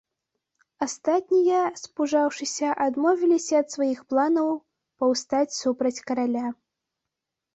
Астатнія, спужаўшыся, адмовіліся ад сваіх планаў паўстаць супраць караля.